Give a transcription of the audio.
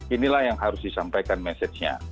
inilah yang harus disampaikan mesejnya